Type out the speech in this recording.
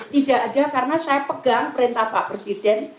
tidak ada karena saya pegang perintah pak presiden